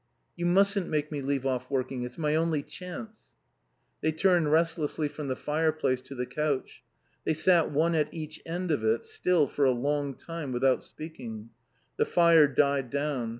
"You mustn't make me leave off working. It's my only chance." They turned restlessly from the fireplace to the couch. They sat one at each end of it, still for a long time, without speaking. The fire died down.